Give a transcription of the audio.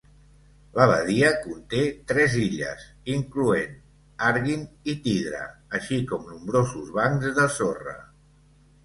La badia conté tres illes, incloent Arguin i Tidra, així com nombrosos bancs de sorra.